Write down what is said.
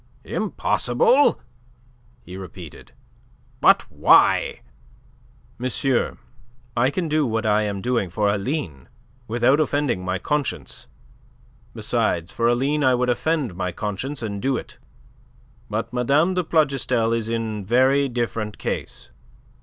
"Impossible!" he repeated. "But why?" "Monsieur, I can do what I am doing for Aline without offending my conscience. Besides, for Aline I would offend my conscience and do it. But Mme. de Plougastel is in very different case.